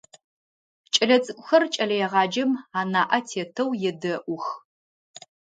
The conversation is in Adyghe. Кӏэлэцӏыкӏухэр кӏэлэегъаджэм анаӏэ тетэу едэӏух.